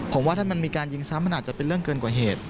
ผมว่าถ้ามันมีการยิงซ้ำมันอาจจะเป็นเรื่องเกินกว่าเหตุ